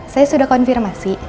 saya sudah konfirmasi